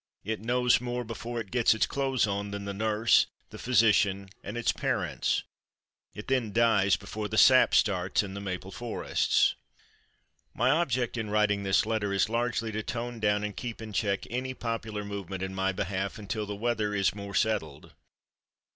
It knows more before it gets its clothes on than the nurse, the physician and its parents. It then dies before the sap starts in the maple forests. My object in writing this letter is largely to tone down and keep in check any popular movement in my behalf until the weather in more settled.